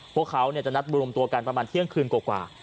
พวกเขาเนี่ยจัดนัดบริบุรมตัวกันประมายเที่ยงคืนกว่า